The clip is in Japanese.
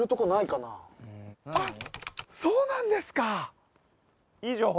あっそうなんですかいい情報？